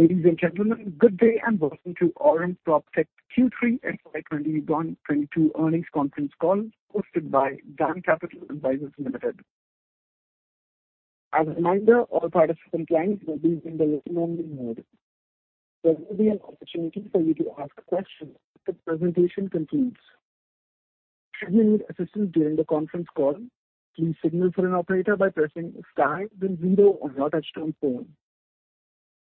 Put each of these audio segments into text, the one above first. Ladies and gentlemen, good day and welcome to Aurum PropTech Q3 FY 2021-22 Earnings Conference Call hosted by DAM Capital Advisors Limited. As a reminder, all participants' lines will be in the listen-only mode. There will be an opportunity for you to ask questions when the presentation concludes. Should you need assistance during the conference call, please signal for an operator by pressing star then zero on your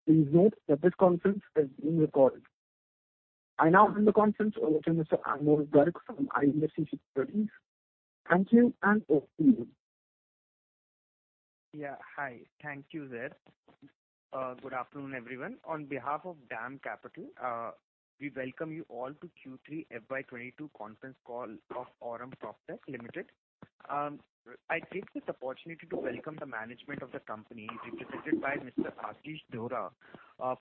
touchtone phone. Please note that this conference is being recorded. I now hand the conference over to Mr. Anmol Garg from IIFL Finance. Anmol, hand over to you. Yeah. Hi. Thank you, Zaid. Good afternoon, everyone. On behalf of DAM Capital, we welcome you all to Q3 FY 2022 conference call of Aurum PropTech Limited. I take this opportunity to welcome the management of the company represented by Mr. Ashish Deora,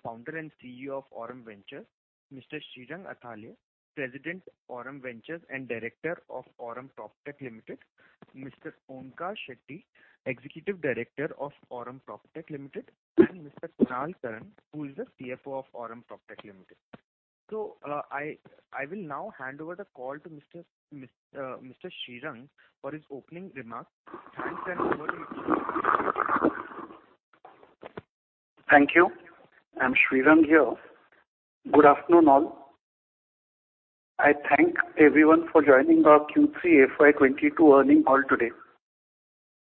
Founder and CEO of Aurum Ventures, Mr. Srirang Athalye, President, Aurum Ventures and Director of Aurum PropTech Limited, Mr. Onkar Shetye, Executive Director of Aurum PropTech Limited, and Mr. Kunal Karan, who is the CFO of Aurum PropTech Limited. I will now hand over the call to Mr. Srirang for his opening remarks. Thanks and over to you, Srirang. Thank you. I'm Srirang here. Good afternoon, all. I thank everyone for joining our Q3 FY 2022 earnings call today.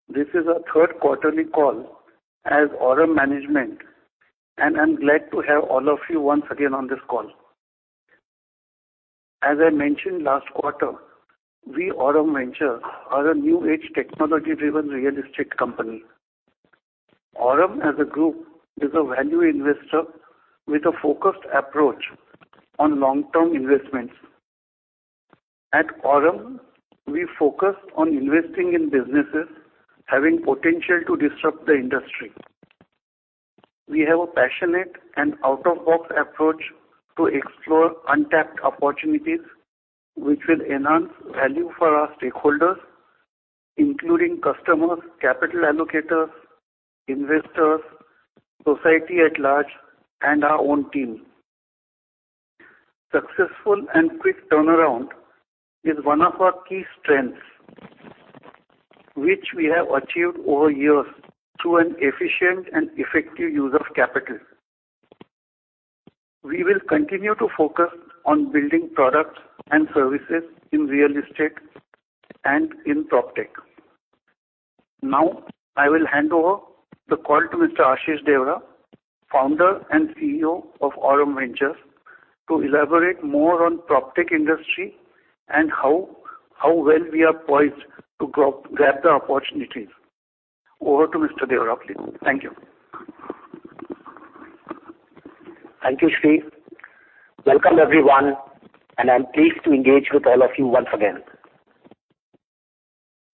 This is our third quarterly call as Aurum management, and I'm glad to have all of you once again on this call. As I mentioned last quarter, we, Aurum Ventures, are a new age technology-driven real estate company. Aurum as a group is a value investor with a focused approach on long-term investments. At Aurum, we focus on investing in businesses having potential to disrupt the industry. We have a passionate and out-of-the-box approach to explore untapped opportunities, which will enhance value for our stakeholders, including customers, capital allocators, investors, society at large, and our own team. Successful and quick turnaround is one of our key strengths, which we have achieved over years through an efficient and effective use of capital. We will continue to focus on building products and services in real estate and in PropTech. Now I will hand over the call to Mr. Ashish Deora, Founder and CEO of Aurum Ventures, to elaborate more on PropTech industry and how well we are poised to grab the opportunities. Over to Mr. Deora, please. Thank you. Thank you, Sri. Welcome, everyone, and I'm pleased to engage with all of you once again.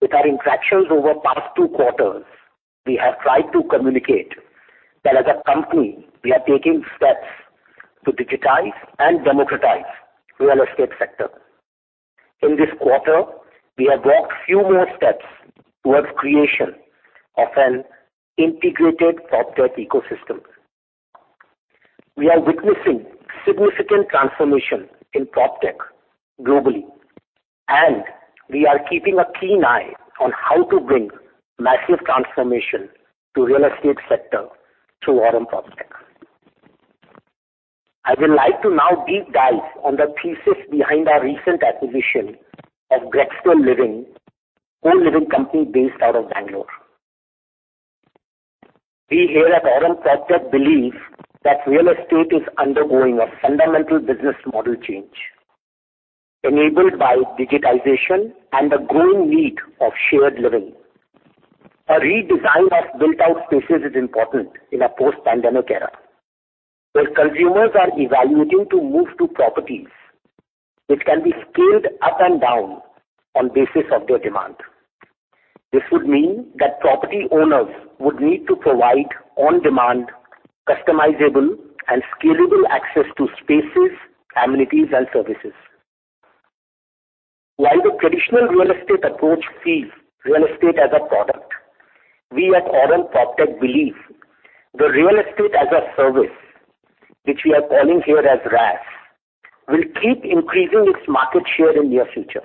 With our interactions over past two quarters, we have tried to communicate that as a company, we are taking steps to digitize and democratize real estate sector. In this quarter, we have walked few more steps towards creation of an integrated PropTech ecosystem. We are witnessing significant transformation in PropTech globally, and we are keeping a keen eye on how to bring massive transformation to real estate sector through Aurum PropTech. I would like to now deep dive on the thesis behind our recent acquisition of Grexter Living, co-living company based out of Bangalore. We here at Aurum PropTech believe that real estate is undergoing a fundamental business model change enabled by digitization and the growing need of shared living. A redesign of built out spaces is important in a post-pandemic era, where consumers are evaluating to move to properties which can be scaled up and down on basis of their demand. This would mean that property owners would need to provide on-demand, customizable, and scalable access to spaces, amenities, and services. While the traditional real estate approach sees real estate as a product, we at Aurum PropTech believe the real estate as a service, which we are calling here as RaaS, will keep increasing its market share in near future.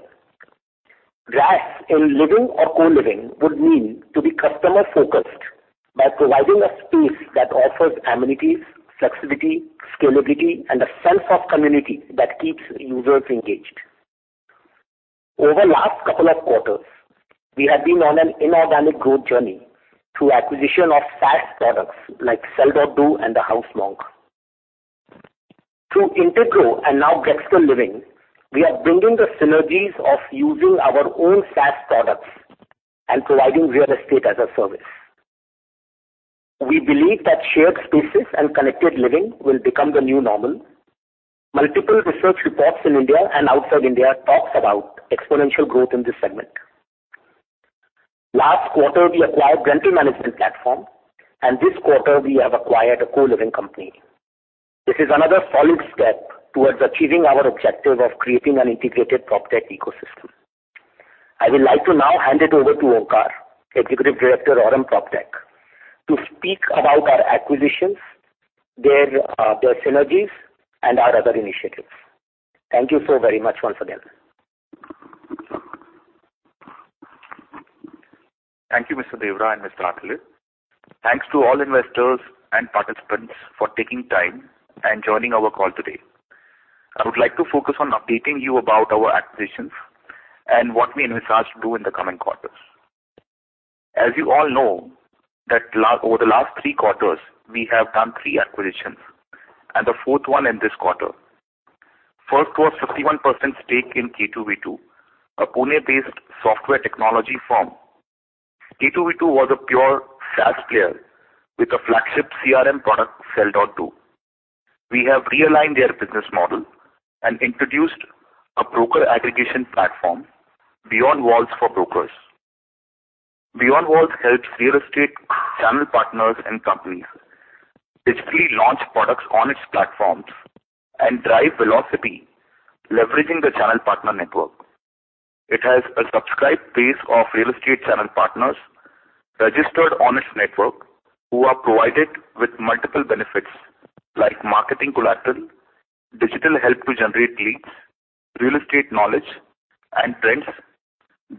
RaaS in living or co-living would mean to be customer-focused by providing a space that offers amenities, flexibility, scalability, and a sense of community that keeps users engaged. Over last couple of quarters, we have been on an inorganic growth journey through acquisition of SaaS products like Sell.do and TheHouseMonk. Through Integrow and now Grexter Living, we are bringing the synergies of using our own SaaS products and providing real estate as a service. We believe that shared spaces and collective living will become the new normal. Multiple research reports in India and outside India talks about exponential growth in this segment. Last quarter, we acquired rental management platform, and this quarter we have acquired a co-living company. This is another solid step towards achieving our objective of creating an integrated PropTech ecosystem. I will like to now hand it over to Onkar, Executive Director Aurum PropTech, to speak about our acquisitions, their synergies and our other initiatives. Thank you so very much once again. Thank you, Mr. Deora and Mr. Athalye. Thanks to all investors and participants for taking time and joining our call today. I would like to focus on updating you about our acquisitions and what we envisage to do in the coming quarters. As you all know, over the last three quarters, we have done three acquisitions and the fourth one in this quarter. First was 51% stake in K2V2, a Pune-based software technology firm. K2V2 was a pure SaaS player with a flagship CRM product, Sell.do. We have realigned their business model and introduced a broker aggregation platform, Beyond Walls for Brokers. Beyond Walls helps real estate channel partners and companies digitally launch products on its platforms and drive velocity, leveraging the channel partner network. It has a subscribed base of real estate channel partners registered on its network who are provided with multiple benefits like marketing collateral, digital help to generate leads, real estate knowledge and trends,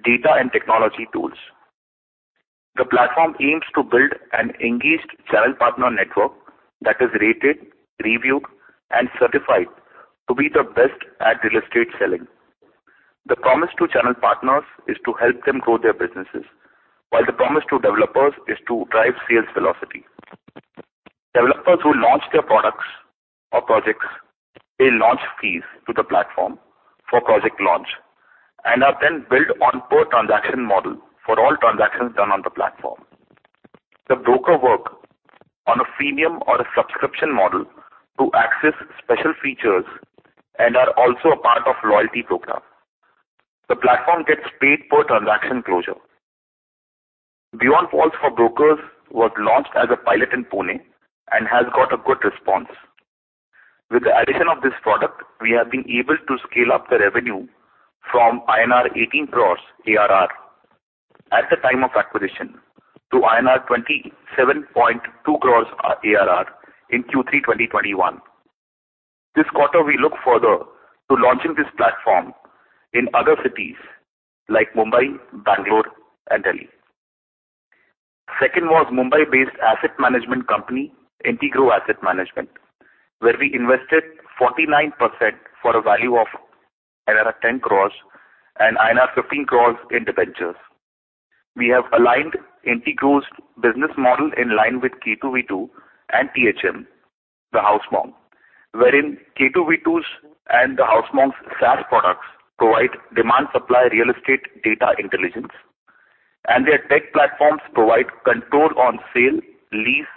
data and technology tools. The platform aims to build an engaged channel partner network that is rated, reviewed and certified to be the best at real estate selling. The promise to channel partners is to help them grow their businesses, while the promise to developers is to drive sales velocity. Developers who launch their products or projects pay launch fees to the platform for project launch and are then billed on per transaction model for all transactions done on the platform. Brokers work on a freemium or a subscription model to access special features and are also a part of loyalty program. The platform gets paid per transaction closure. Beyond Walls for Brokers was launched as a pilot in Pune and has got a good response. With the addition of this product, we have been able to scale up the revenue from INR 18 crores ARR at the time of acquisition to INR 27.2 crores ARR in Q3 2021. This quarter, we look further to launching this platform in other cities like Mumbai, Bangalore, and Delhi. Second was Mumbai-based asset management company Integrow Asset Management, where we invested 49% for a value of 10 crores and 15 crores into ventures. We have aligned Integrow's business model in line with K2V2 and THM, TheHouseMonk, wherein K2V2's and TheHouseMonk's SaaS products provide demand supply real estate data intelligence, and their tech platforms provide control on sale, lease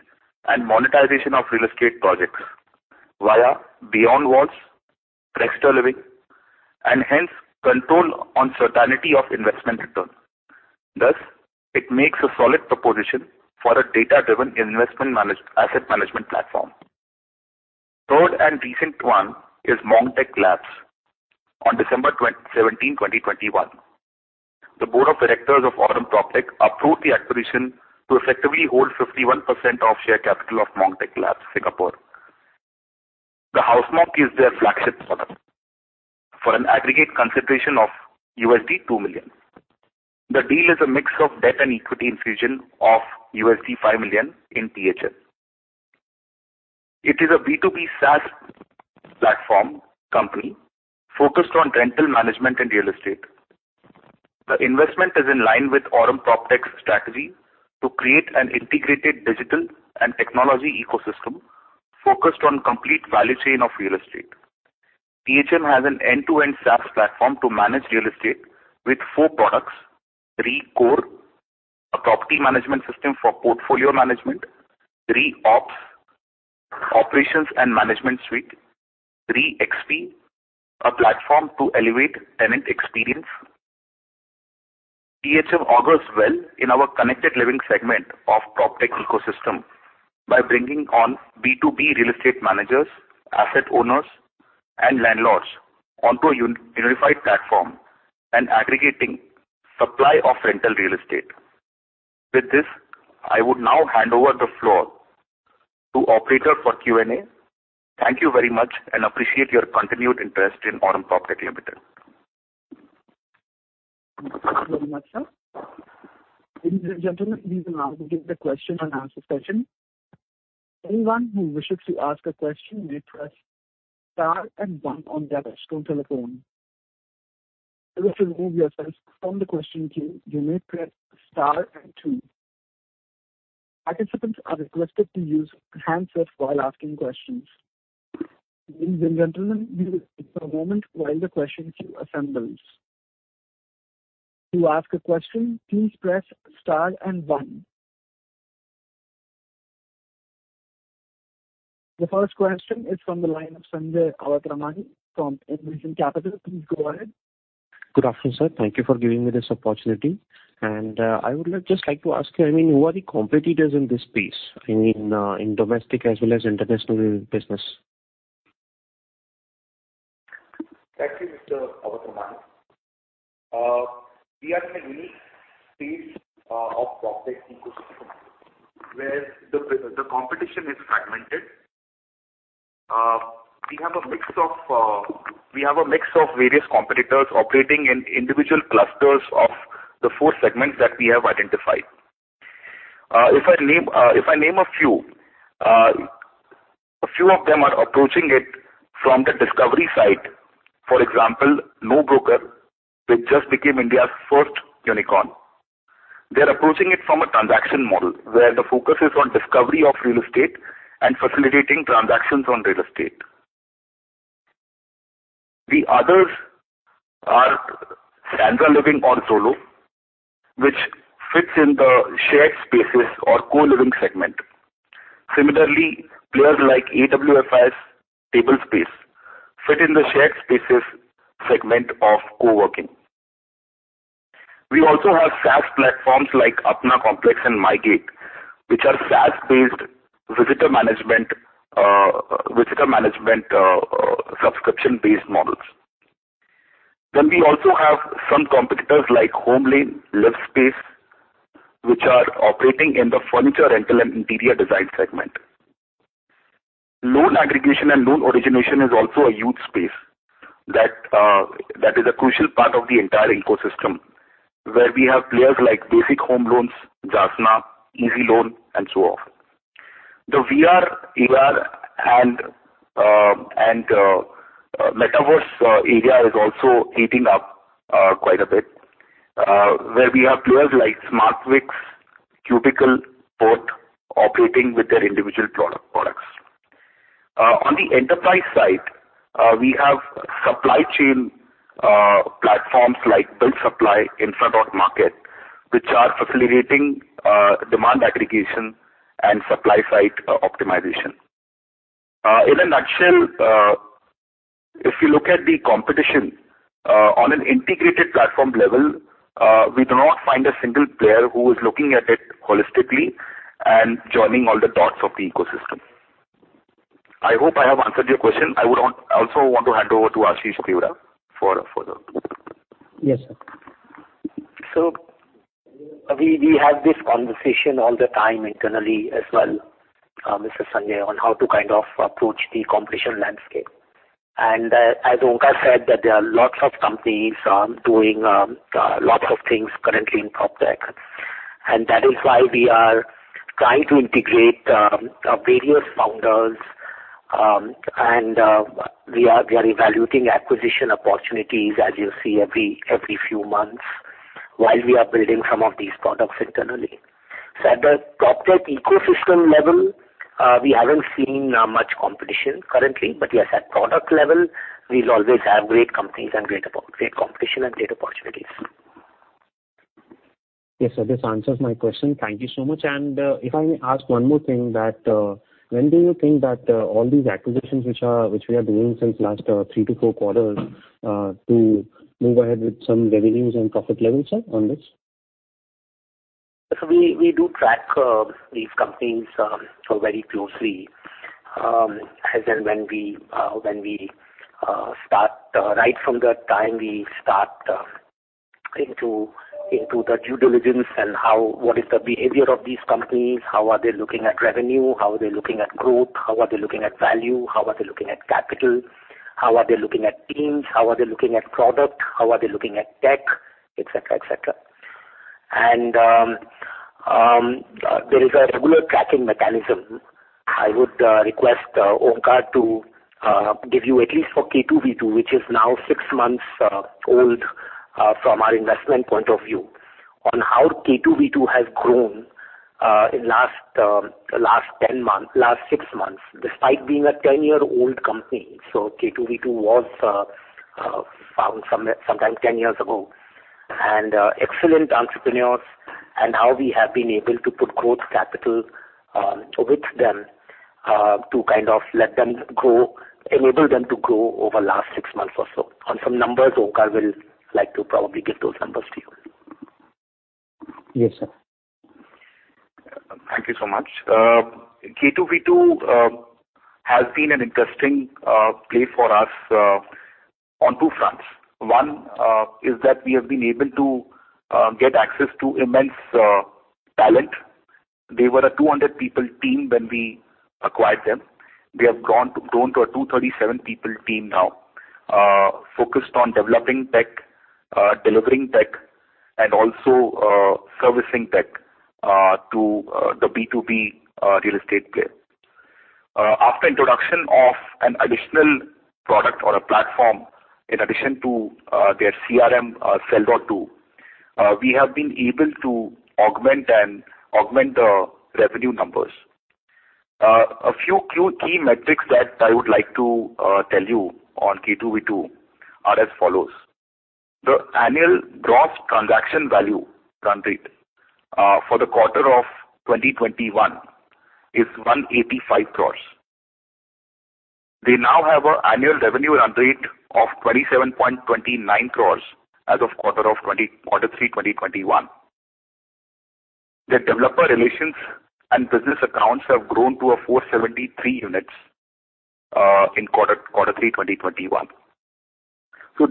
and monetization of real estate projects via Beyond Walls, Grexter Living, and hence control on certainty of investment return. Thus, it makes a solid proposition for a data-driven investment asset management platform. Third, recent one is Monk Tech Labs. On December 27th, 2021, the Board of Directors of Aurum PropTech approved the acquisition to effectively hold 51% of share capital of Monk Tech Labs Singapore. TheHouseMonk is their flagship product for an aggregate concentration of $2 million. The deal is a mix of debt and equity infusion of $5 million in THL. It is a B2B SaaS platform company focused on rental management and real estate. The investment is in line with Aurum PropTech's strategy to create an integrated digital and technology ecosystem focused on complete value chain of real estate. THM has an end-to-end SaaS platform to manage real estate with four products, 3Core, a property management system for portfolio management, 3Ops, operations and management suite, 3XP, a platform to elevate tenant experience. THM augurs well in our connected living segment of PropTech ecosystem by bringing on B2B real estate managers, asset owners and landlords onto a unified platform and aggregating supply of rental real estate. With this, I would now hand over the floor to operator for Q&A. Thank you very much, and I appreciate your continued interest in Aurum PropTech Limited. Thank you very much, sir. Ladies and gentlemen, we will now begin the question and answer session. Anyone who wishes to ask a question may press star and one on their telephone. If you wish to remove yourself from the question queue, you may press star and two. Participants are requested to use handsets while asking questions. Ladies and gentlemen, please wait a moment while the question queue assembles. To ask a question, please press star and one. The first question is from the line of Sanjay Awatramani from Envision Capital. Please go ahead. Good afternoon, sir. Thank you for giving me this opportunity. I would like, just like to ask you, I mean, who are the competitors in this space? I mean, in domestic as well as international business. Thank you, Mr. Awatramani. We are in a unique space of PropTech ecosystem where the competition is fragmented. We have a mix of various competitors operating in individual clusters of the four segments that we have identified. If I name a few, a few of them are approaching it from the discovery side. For example, NoBroker, which just became India's first unicorn. They're approaching it from a transaction model, where the focus is on discovery of real estate and facilitating transactions on real estate. The others are Stanza Living or Zolo, which fits in the shared spaces or co-living segment. Similarly, players like Awfis, Table Space fit in the shared spaces segment of co-working. We also have SaaS platforms like ApnaComplex and MyGate, which are SaaS-based visitor management subscription-based models. We also have some competitors like HomeLane, Livspace, which are operating in the furniture rental and interior design segment. Loan aggregation and loan origination is also a huge space that that is a crucial part of the entire ecosystem, where we have players like BASIC Home Loan, Jana, Easy Loan, and so on. The VR, AR and metaverse area is also heating up quite a bit, where we have players like SmartVizX, Cubicle, Port operating with their individual products. On the enterprise side, we have supply chain platforms like BuildSupply, Infra.Market, which are facilitating demand aggregation and supply-side optimization. In a nutshell, if you look at the competition, on an integrated platform level, we do not find a single player who is looking at it holistically and joining all the dots of the ecosystem. I hope I have answered your question. I also want to hand over to Ashish Deora for further. Yes, sir. We have this conversation all the time internally as well, Mr. Sanjay, on how to kind of approach the competition landscape. As Onkar said that there are lots of companies doing lots of things currently in PropTech. That is why we are trying to integrate various founders. We are evaluating acquisition opportunities as you see every few months while we are building some of these products internally. At the PropTech ecosystem level, we haven't seen much competition currently. Yes, at product level, we'll always have great companies and great competition and great opportunities. Yes, sir. This answers my question. Thank you so much. If I may ask one more thing, when do you think that all these acquisitions which we are doing since last three to four quarters to move ahead with some revenues and profit levels, sir, on this? We do track these companies so very closely, as and when we start right from the time we start into the due diligence and what is the behavior of these companies. How are they looking at revenue? How are they looking at growth? How are they looking at value? How are they looking at capital? How are they looking at teams? How are they looking at product? How are they looking at tech? Et cetera. There is a regular tracking mechanism. I would request Onkar to give you at least for K2V2, which is now six months old from our investment point of view, on how K2V2 has grown in last six months, despite being a 10-year-old company. K2V2 was founded sometime 10 years ago. Excellent entrepreneurs and how we have been able to put growth capital with them to kind of let them grow, enable them to grow over last six months or so. On some numbers, Onkar will like to probably give those numbers to you. Yes, sir. Thank you so much. K2V2 has been an interesting play for us on two fronts. One is that we have been able to get access to immense talent. They were a 200 people team when we acquired them. We have grown to a 237 people team now, focused on developing tech, delivering tech, and also servicing tech to the B2B real estate player. After introduction of an additional product or a platform in addition to their CRM, Sell.do, we have been able to augment the revenue numbers. A few key metrics that I would like to tell you on K2V2 are as follows: The annual gross transaction value run rate for the quarter of 2021 is 185 crores. We now have an annual revenue run rate of 27.29 crores as of Q3 2021. The developer relations and business accounts have grown to 473 units in Q3 2021.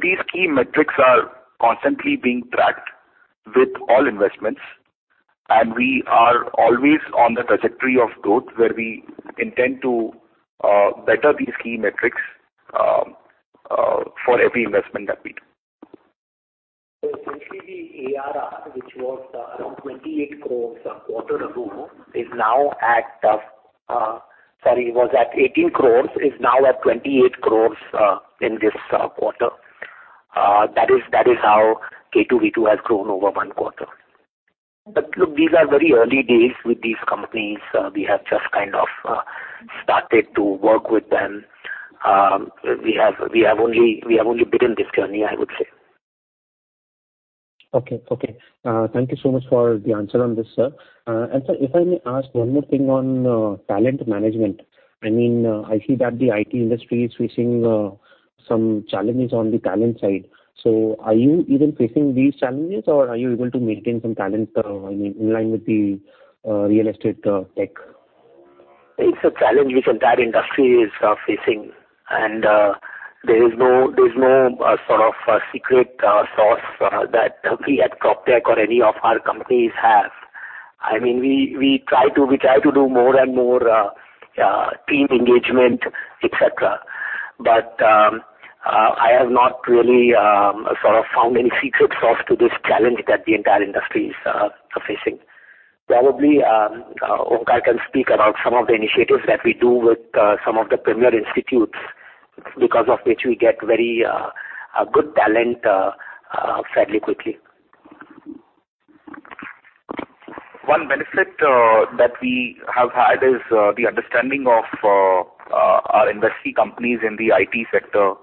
These key metrics are constantly being tracked with all investments, and we are always on the trajectory of growth where we intend to better these key metrics for every investment that we do. Essentially the ARR, which was at 18 crores a quarter ago, is now at 28 crores in this quarter. That is how K2V2 has grown over one quarter. Look, these are very early days with these companies. We have just kind of started to work with them. We have only begun this journey, I would say. Okay. Thank you so much for the answer on this, sir. And sir, if I may ask one more thing on talent management. I mean, I see that the IT industry is facing some challenges on the talent side. Are you even facing these challenges, or are you able to maintain some talent, I mean, in line with the real estate tech? It's a challenge the entire industry is facing. There is no sort of secret sauce that we at PropTech or any of our companies have. I mean, we try to do more and more team engagement, et cetera. I have not really sort of found any secret sauce to this challenge that the entire industry is facing. Probably Onkar can speak about some of the initiatives that we do with some of the premier institutes because of which we get very good talent fairly quickly. One benefit that we have had is the understanding of our industry companies in the IT sector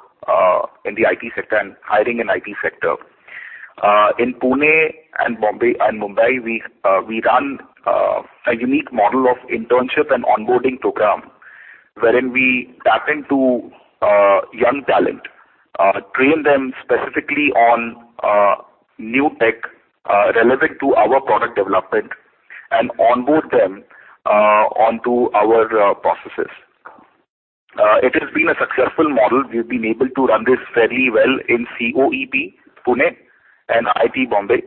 and hiring in IT sector. In Pune and Mumbai, we run a unique model of internship and onboarding program wherein we tap into young talent, train them specifically on new tech relevant to our product development and onboard them onto our processes. It has been a successful model. We've been able to run this fairly well in COEP, Pune and IIT Bombay.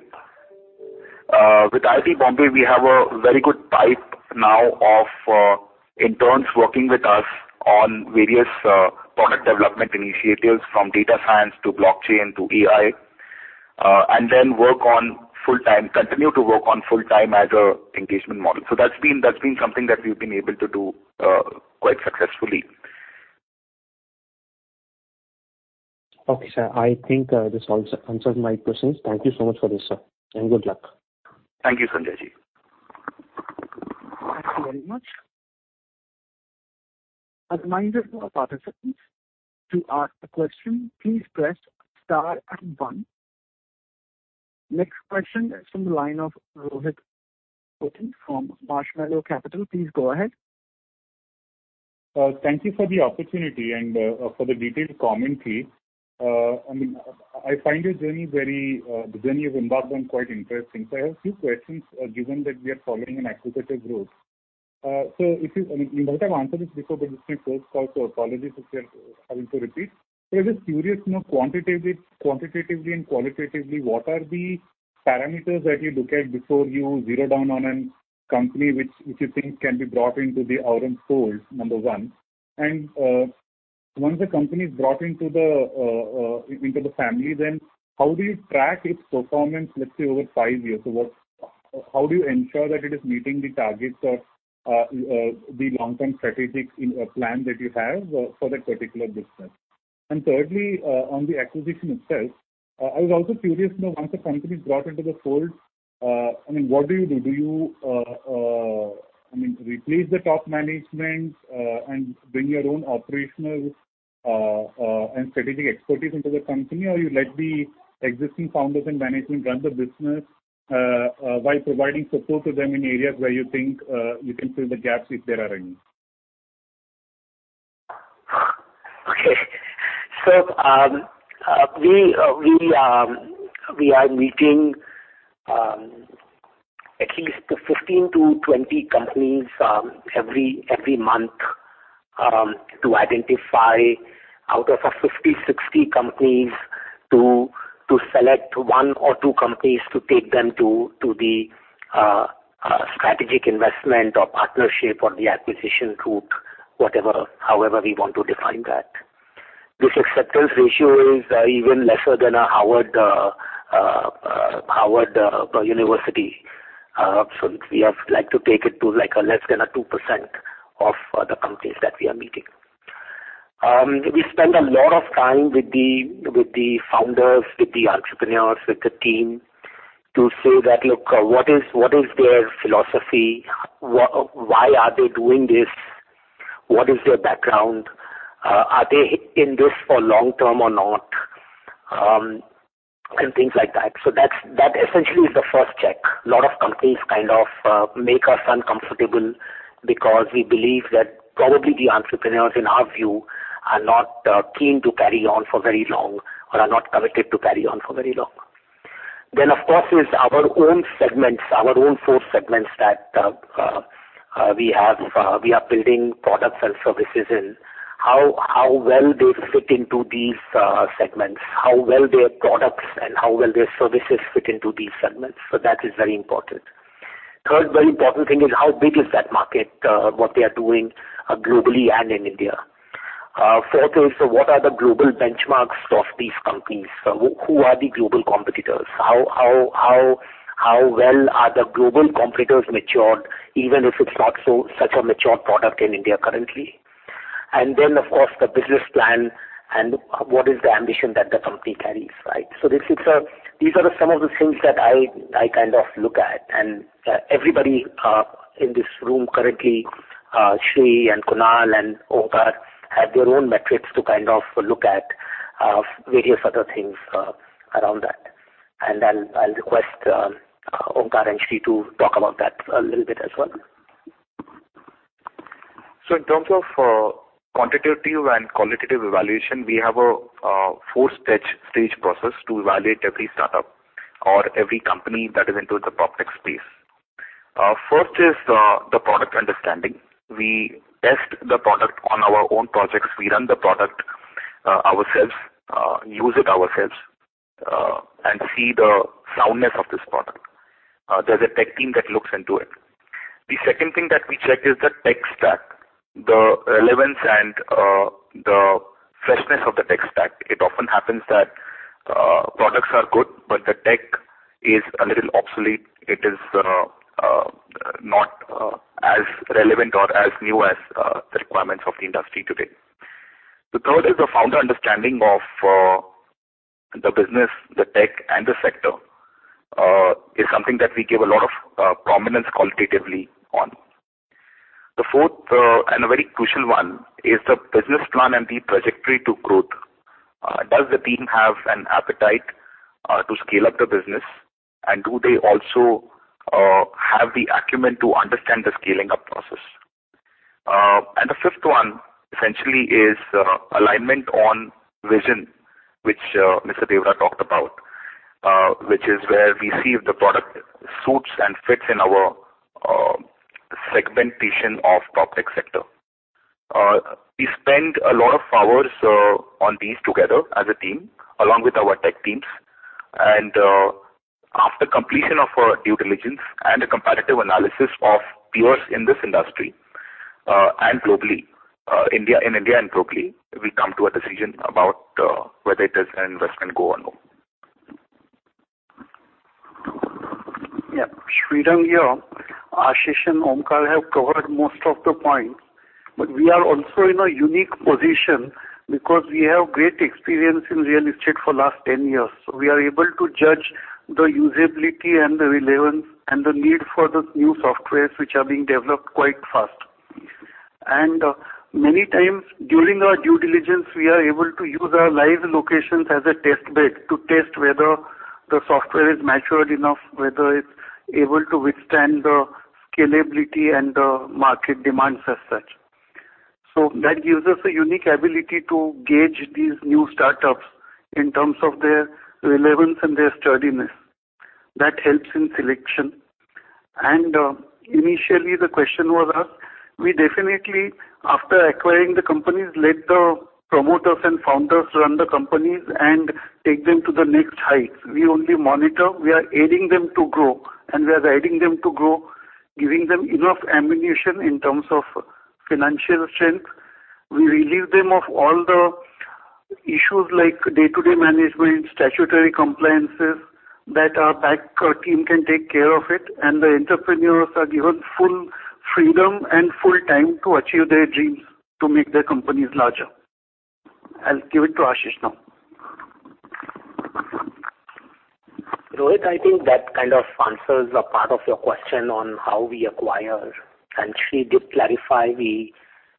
With IIT Bombay, we have a very good pipeline now of interns working with us on various product development initiatives from data science to blockchain to AI, and then continue to work full-time as an engagement model. That's been something that we've been able to do quite successfully. Okay, sir. I think, this answer, answers my questions. Thank you so much for this, sir, and good luck. Thank you, Sanjay. Thank you very much. A reminder to our participants, to ask a question, please press star and one. Next question is from the line of Rohith Potti from Marshmallow Capital. Please go ahead. Thank you for the opportunity and for the detailed commentary. I mean, I find the journey you've embarked on quite interesting. I have a few questions given that we are following an acquisitive growth. I mean, you might have answered this before, but this is my first call, so apologies if you're having to repeat. I was just curious, you know, quantitatively and qualitatively, what are the parameters that you look at before you zero in on a company which you think can be brought into the Aurum fold? Number one. Once a company is brought into the family, then how do you track its performance, let's say over five years? How do you ensure that it is meeting the targets or the long-term strategic plan that you have for that particular business? Thirdly, on the acquisition itself, I was also curious, you know, once a company is brought into the fold, I mean, what do you do? Do you, I mean, replace the top management and bring your own operational and strategic expertise into the company? Or you let the existing founders and management run the business while providing support to them in areas where you think you can fill the gaps if there are any? Okay. We are meeting at least 15-20 companies every month to identify out of a 50-60 companies to select one or two companies to take them to the strategic investment or partnership or the acquisition route, whatever, however we want to define that. This acceptance ratio is even lesser than a Harvard University. We have like to take it to like a less than a 2% of the companies that we are meeting. We spend a lot of time with the founders, with the entrepreneurs, with the team to say that, "Look, what is their philosophy? Why are they doing this? What is their background? Are they in this for long term or not?" and things like that. That essentially is the first check. A lot of companies kind of make us uncomfortable because we believe that probably the entrepreneurs in our view are not keen to carry on for very long or are not committed to carry on for very long. Of course, is our own segments, our own four segments that we have, we are building products and services in. How well they fit into these segments, how well their products and how well their services fit into these segments. That is very important. Third very important thing is how big is that market, what they are doing globally and in India. Fourth is what are the global benchmarks of these companies? Who are the global competitors? How well are the global competitors matured, even if it's not so much a mature product in India currently. Then of course, the business plan and what is the ambition that the company carries, right? This is, these are some of the things that I kind of look at. Everybody in this room currently, Sri and Kunal and Onkar have their own metrics to kind of look at various other things around that. I'll request Onkar and Sri to talk about that a little bit as well. In terms of quantitative and qualitative evaluation, we have a four-stage process to evaluate every startup or every company that is into the PropTech space. First is the product understanding. We test the product on our own projects. We run the product ourselves, use it ourselves, and see the soundness of this product. There's a tech team that looks into it. The second thing that we check is the tech stack, the relevance and the freshness of the tech stack. It often happens that products are good, but the tech is a little obsolete. It is not as relevant or as new as the requirements of the industry today. The third is the founder understanding of the business, the tech, and the sector is something that we give a lot of prominence qualitatively on. The fourth and a very crucial one is the business plan and the trajectory to growth. Does the team have an appetite to scale up the business? Do they also have the acumen to understand the scaling-up process? The fifth one essentially is alignment on vision, which Mr. Deora talked about, which is where we see if the product suits and fits in our segmentation of PropTech sector. We spend a lot of hours on these together as a team along with our tech teams. After completion of our due diligence and a competitive analysis of peers in this industry, in India and globally, we come to a decision about whether it is an investment go on. Yeah. Srirang here. Ashish and Onkar have covered most of the points, but we are also in a unique position because we have great experience in real estate for last 10 years. We are able to judge the usability and the relevance and the need for the new softwares which are being developed quite fast. Many times during our due diligence, we are able to use our live locations as a test bed to test whether the software is mature enough, whether it's able to withstand the scalability and the market demands as such. That gives us a unique ability to gauge these new startups in terms of their relevance and their sturdiness. That helps in selection. Initially, the question was asked, we definitely after acquiring the companies, let the promoters and founders run the companies and take them to the next heights. We only monitor. We are aiding them to grow, and we are guiding them to grow, giving them enough ammunition in terms of financial strength. We relieve them of all the issues like day-to-day management, statutory compliances that our back team can take care of it, and the entrepreneurs are given full freedom and full time to achieve their dreams, to make their companies larger. I'll give it to Ashish now. Rohith, I think that kind of answers a part of your question on how we acquire. Sri did clarify, we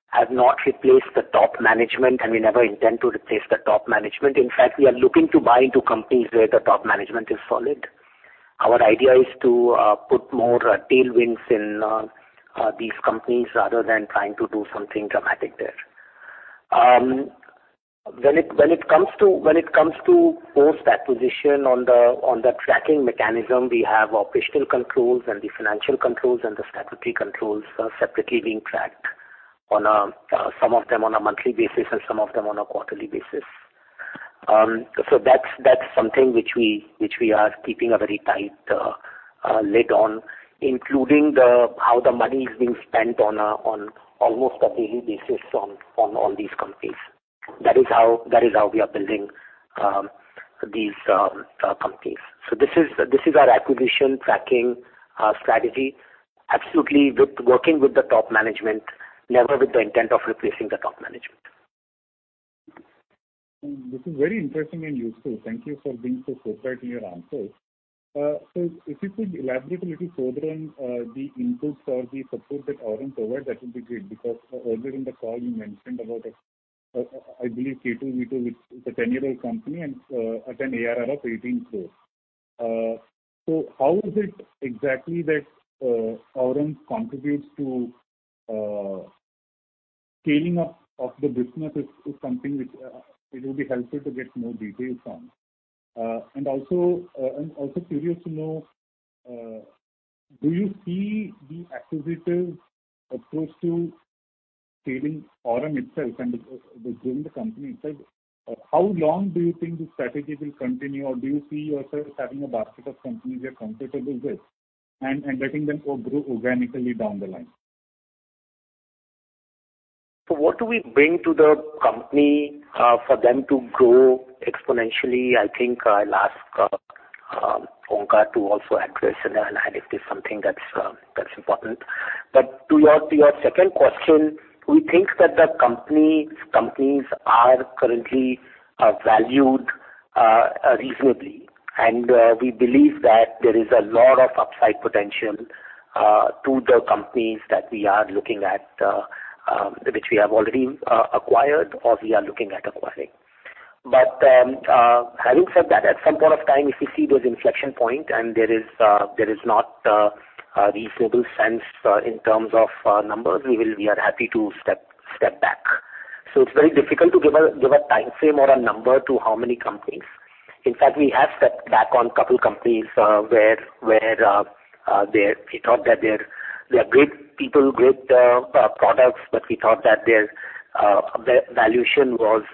have not replaced the top management, and we never intend to replace the top management. In fact, we are looking to buy into companies where the top management is solid. Our idea is to put more tailwinds in these companies rather than trying to do something dramatic there. When it comes to post-acquisition on the tracking mechanism, we have operational controls and the financial controls and the statutory controls separately being tracked, some of them on a monthly basis and some of them on a quarterly basis. That's something which we are keeping a very tight lid on, including how the money is being spent on almost a daily basis on all these companies. That is how we are building these companies. This is our acquisition tracking strategy. Absolutely, working with the top management, never with the intent of replacing the top management. This is very interesting and useful. Thank you for being so forthright in your answers. So if you could elaborate a little further on the inputs or the support that Aurum provides, that would be great. Because earlier in the call you mentioned about I believe K2V2, which is a 10-year-old company and at an ARR of 18 crore. So how is it exactly that Aurum contributes to scaling up of the business is something which it will be helpful to get more details on. I'm also curious to know do you see the acquisitive approach to scaling Aurum itself and growing the company itself? How long do you think this strategy will continue, or do you see yourself having a basket of companies you're comfortable with and letting them all grow organically down the line? What do we bring to the company for them to grow exponentially? I think I'll ask Onkar to also address and add if there's something that's important. To your second question, we think that the companies are currently valued reasonably. We believe that there is a lot of upside potential to the companies that we are looking at, which we have already acquired or we are looking at acquiring. Having said that, at some point of time, if we see those inflection point and there is not a reasonable sense in terms of numbers, we are happy to step back. It's very difficult to give a timeframe or a number to how many companies. In fact, we have stepped back on couple companies, where we thought that they're great people, great products, but we thought that their valuation was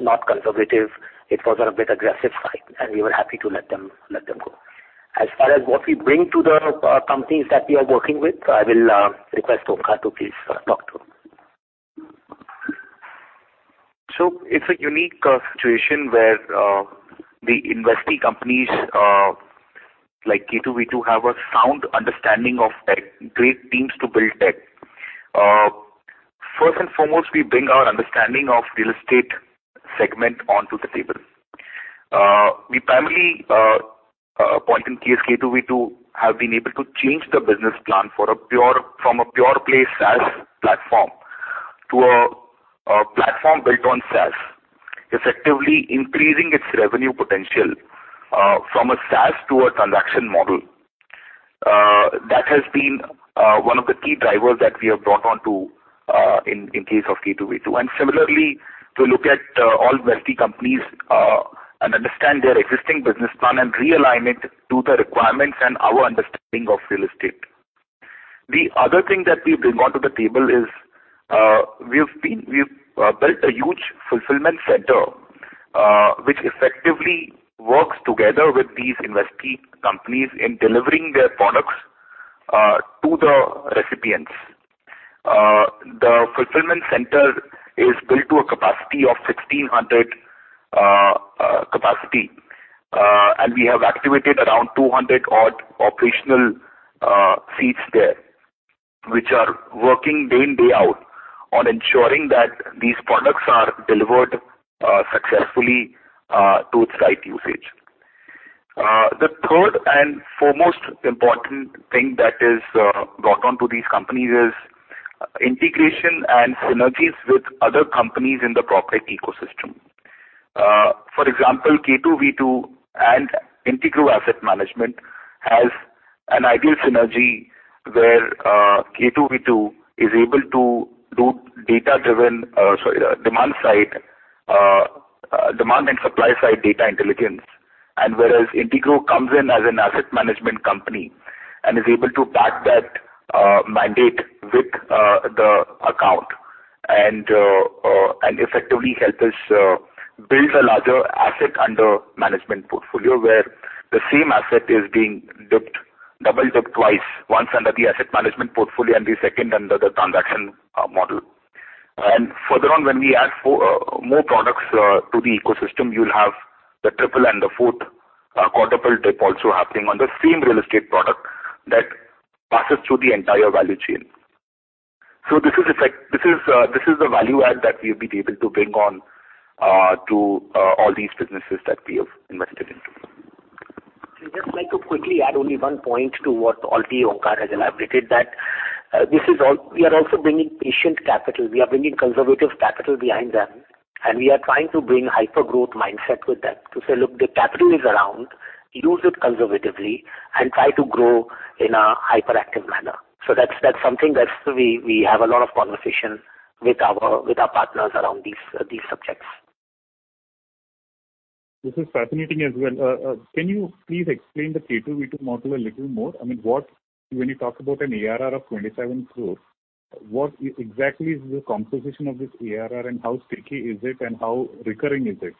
not conservative. It was on a bit aggressive side, and we were happy to let them go. As far as what we bring to the companies that we are working with, I will request Onkar to please talk to them. It's a unique situation where the investee companies like K2V2 have a sound understanding of tech, great teams to build tech. First and foremost, we bring our understanding of real estate segment onto the table. We primarily, case in point, K2V2 have been able to change the business plan from a pure-play SaaS platform to a platform built on SaaS, effectively increasing its revenue potential from a SaaS to a transaction model. That has been one of the key drivers that we have brought on to in case of K2V2. Similarly, to look at all investee companies and understand their existing business plan and realign it to the requirements and our understanding of real estate. The other thing that we bring onto the table is, we've built a huge fulfillment center, which effectively works together with these investee companies in delivering their products to the recipients. The fulfillment center is built to a capacity of 1,600 capacity. We have activated around 200 odd operational seats there, which are working day in, day out on ensuring that these products are delivered successfully to its right usage. The third and foremost important thing that is brought on to these companies is integration and synergies with other companies in the PropTech ecosystem. For example, K2V2 and Integrow Asset Management has an ideal synergy where K2V2 is able to do data-driven, sorry, demand-side, demand and supply-side data intelligence. Whereas Integrow comes in as an asset management company and is able to back that mandate with the account and effectively help us build a larger asset under management portfolio, where the same asset is being dipped, double-dipped twice, once under the asset management portfolio and the second under the transaction model. Further on, when we add more products to the ecosystem, you'll have the triple and the fourth, quadruple dip also happening on the same real estate product that passes through the entire value chain. This is the value add that we've been able to bring on to all these businesses that we have invested into. I'd just like to quickly add only one point to what already Onkar has elaborated. We are also bringing patient capital. We are bringing conservative capital behind them, and we are trying to bring hypergrowth mindset with them to say, "Look, the capital is around. Use it conservatively and try to grow in a hyperactive manner." That's something that we have a lot of conversation with our partners around these subjects. This is fascinating as well. Can you please explain the K2V2 model a little more? I mean, when you talk about an ARR of 27 crore, what exactly is the composition of this ARR and how sticky is it and how recurring is it?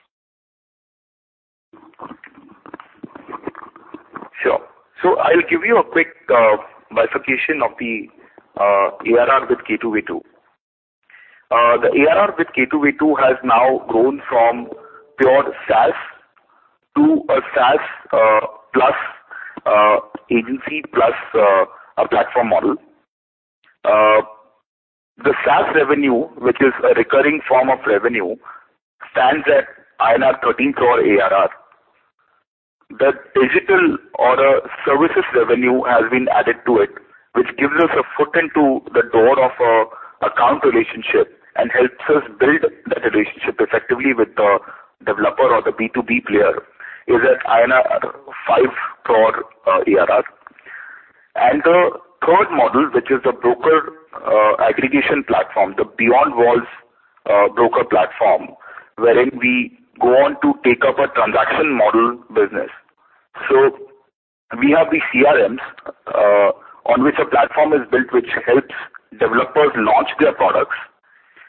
Sure. I'll give you a quick bifurcation of the ARR with K2V2. The ARR with K2V2 has now grown from pure SaaS to a SaaS plus agency plus a platform model. The SaaS revenue, which is a recurring form of revenue, stands at INR 13 crore ARR. The digital services revenue has been added to it, which gives us a foot in the door of an account relationship and helps us build that relationship effectively with the developer or the B2B player, is at 5 crore ARR. The third model, which is the broker aggregation platform, the Beyond Walls broker platform, wherein we go on to take up a transaction model business. We have the CRMs on which a platform is built, which helps developers launch their products.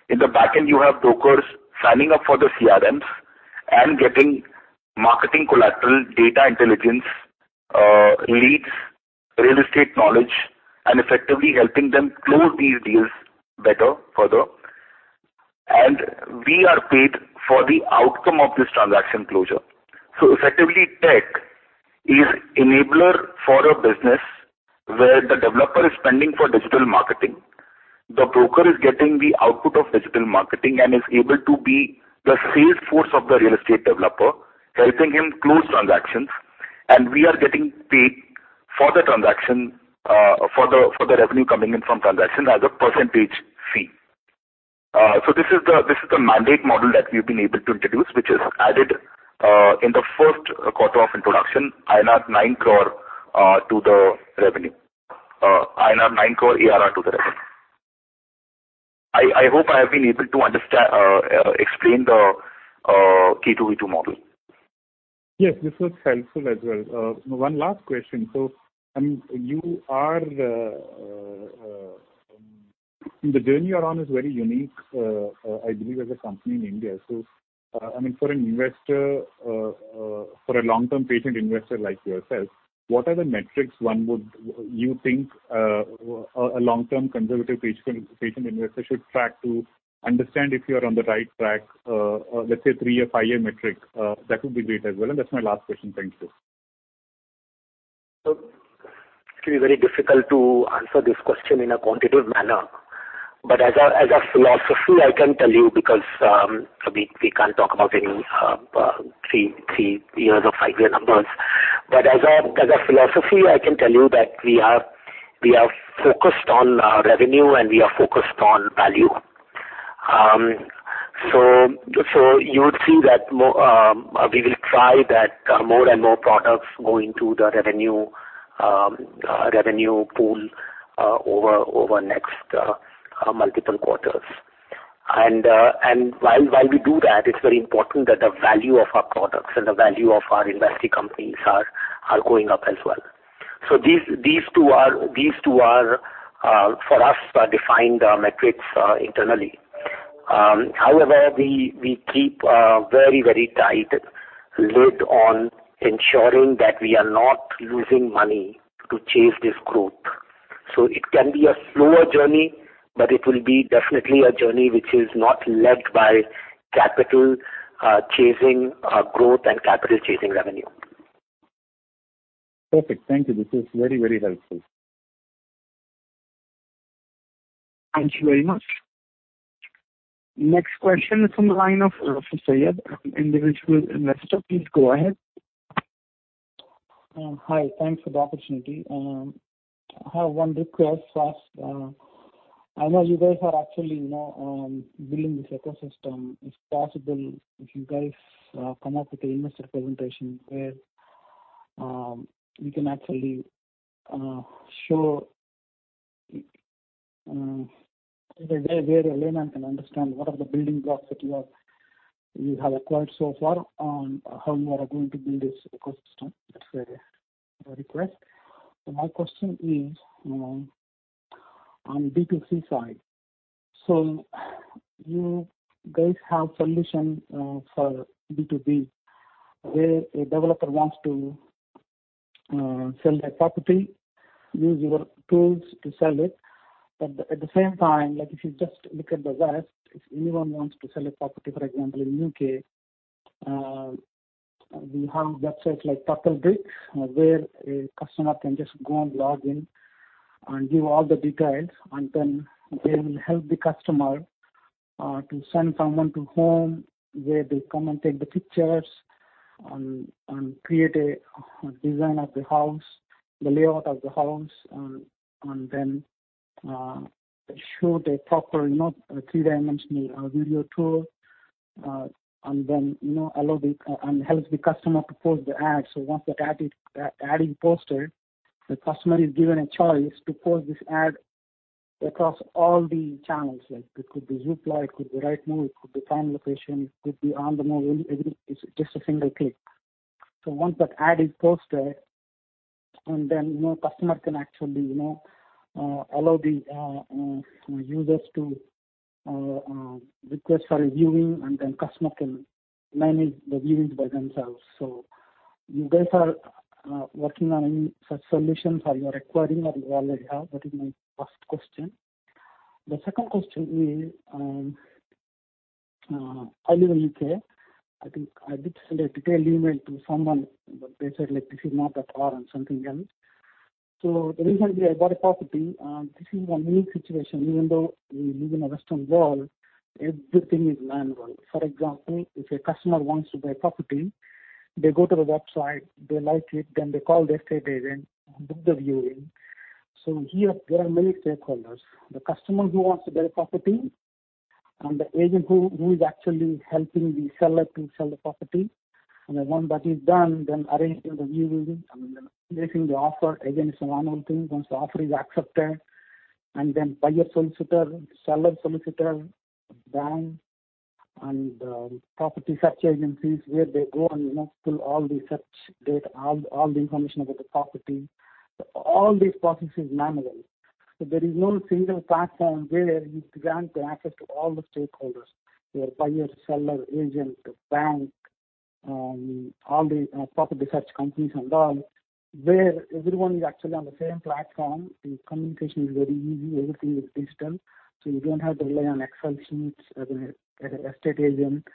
In the back end, you have brokers signing up for the CRMs and getting marketing collateral, data intelligence, leads, real estate knowledge, and effectively helping them close these deals better further. We are paid for the outcome of this transaction closure. Effectively tech is enabler for a business where the developer is spending for digital marketing. The broker is getting the output of digital marketing and is able to be the sales force of the real estate developer, helping him close transactions. We are getting paid for the transaction, for the revenue coming in from transaction as a percentage fee. This is the mandate model that we've been able to introduce, which has added in the first quarter of introduction INR 9 crore to the revenue. INR 9 crore ARR to the revenue. I hope I have been able to explain the K2V2 model. Yes, this was helpful as well. One last question. The journey you're on is very unique, I believe as a company in India. I mean, for an investor, for a long-term patient investor like yourself, what are the metrics one would you think, long-term conservative patient investor should track to understand if you're on the right track, let's say three-year, five-year metric? That would be great as well. That's my last question. Thank you, sir. It's gonna be very difficult to answer this question in a quantitative manner. As a philosophy, I can tell you because we can't talk about any three years or five-year numbers. As a philosophy, I can tell you that we are focused on revenue and we are focused on value. So you would see that we will try that more and more products go into the revenue pool over next multiple quarters. And while we do that, it's very important that the value of our products and the value of our investee companies are going up as well. These two are for us defined metrics internally. However, we keep a very, very tight lid on ensuring that we are not losing money to chase this growth. It can be a slower journey, but it will be definitely a journey which is not led by capital, chasing, growth and capital chasing revenue. Perfect. Thank you. This is very, very helpful. Thank you very much. Next question is from the line of Sayyed, Individual Investor. Please go ahead. Hi, thanks for the opportunity. I have one request first. I know you guys are actually, you know, building this ecosystem. If possible, if you guys come up with a investor presentation where we can actually show in a way where a layman can understand what are the building blocks that you have acquired so far and how you are going to build this ecosystem. That's my request. My question is on B2C side. You guys have solution for B2B, where a developer wants to sell their property, use your tools to sell it. At the same time, like if you just look at the West, if anyone wants to sell a property, for example, in U.K., we have websites like Purplebricks, where a customer can just go and log in and give all the details, and then they will help the customer to send someone to home, where they come and take the pictures and create a design of the house, the layout of the house, and then show the proper three-dimensional video tour. And then, you know, helps the customer to post the ad. Once that ad is posted, the customer is given a choice to post this ad across all the channels. Like it could be Zoopla, it could be Rightmove, it could be PrimeLocation, it could be OnTheMarket. It's just a single click. So once that ad is posted and then, you know, customer can actually, you know, allow the users to request for a viewing, and then customer can manage the viewings by themselves. You guys are working on any such solutions or you are acquiring or you already have? That is my first question. The second question is, I live in U.K. I think I did send a detailed email to someone, but they said, like, this is not the forum, something else. Recently I bought a property. This is one weird situation. Even though we live in a Western world, everything is manual. For example, if a customer wants to buy a property, they go to the website, they like it, then they call the estate agent, book the viewing. Here there are many stakeholders. The customer who wants to buy a property and the agent who is actually helping the seller to sell the property. Once that is done, arranging the viewing and then placing the offer. Again, it's a one-on-one thing. Once the offer is accepted, buyer solicitor, seller solicitor, bank, and property search agencies where they go and you know, pull all the search data, all the information about the property. All these processes manually. There is no single platform where it grants the access to all the stakeholders where buyer, seller, agent, bank, all the property search companies and all, where everyone is actually on the same platform, the communication is very easy, everything is digital. You don't have to rely on Excel sheets as a estate agent